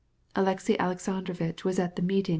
Alexey Alexandrovitch was at the ministry.